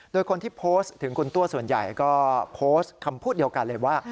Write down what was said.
โดยคนที่โพสต์ถึงคุณตัวส่วนใหญ่ก็โพสต์คำพูดเดียวกันเลยว่า